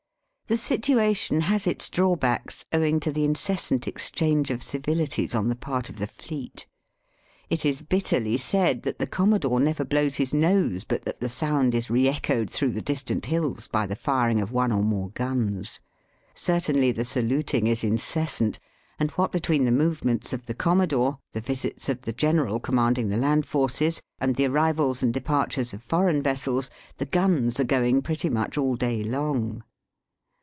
The situation has its drawbacks, owing to the in cessant exchange of civilities on the part of the fleet. It is bitterly said that the com modore never blows his nose but the sound is re echoed through the distant hills by the firing of one or more guns. Certainly the saluting is incessant, and what between the movements of the commodore, the visits of the general commanding the land forces, and the arrivals and departures of foreign vessels, the guns are going pretty much all day long.